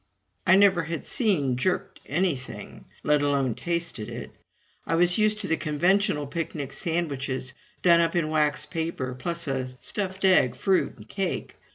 I never had seen jerked anything, let alone tasted it. I was used to the conventional picnic sandwiches done up in waxed paper, plus a stuffed egg, fruit, and cake.